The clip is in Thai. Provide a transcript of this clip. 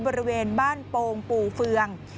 บริเวณบ้านโปงปู่เฟือง